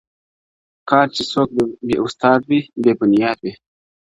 کار چي څوک بې استاد وي بې بنیاد وي -